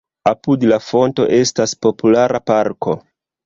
Apud la fonto estas populara parko.